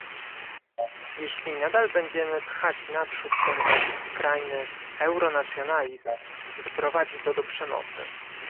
Jeśli nadal będziemy pchać naprzód ten wasz skrajny euro-nacjonalizm, doprowadzi to do przemocy